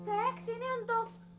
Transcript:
seks ini untuk